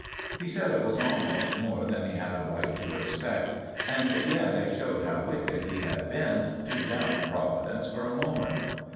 He said it was almost more than he had a right to expect; and yet it showed how wicked he had been to doubt Providence for a moment.